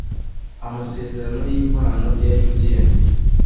amasezerano y impano ya mtn